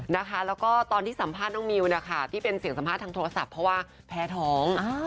แล้วก็ตอนที่สัมภาษณ์น้องมิวนะคะที่เป็นเสียงสัมภาษณ์ทางโทรศัพท์เพราะว่าแพ้ท้อง